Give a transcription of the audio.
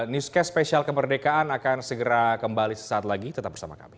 newscast spesial kemerdekaan akan segera kembali sesaat lagi tetap bersama kami